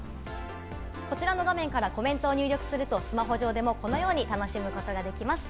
こちらの画面からコメントを入力するとスマホ上でもこのように楽しむ事ができます。